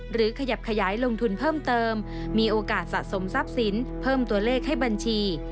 ขยับขยายลงทุนเพิ่มเติมมีโอกาสสะสมทรัพย์สินเพิ่มตัวเลขให้บัญชี